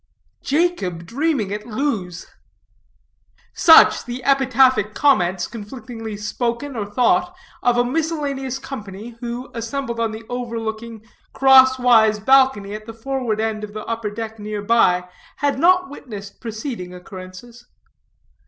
"Jacob dreaming at Luz." Such the epitaphic comments, conflictingly spoken or thought, of a miscellaneous company, who, assembled on the overlooking, cross wise balcony at the forward end of the upper deck near by, had not witnessed preceding occurrences.